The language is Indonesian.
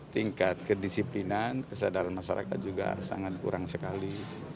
tingkat kedisiplinan kesadaran masyarakat juga sangat kurang sekali